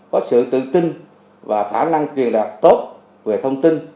có sự tự tin và khả năng truyền đạt tốt về thông tin